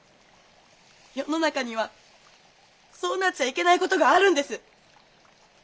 世の中にはそうなっちゃいけない事があるんです。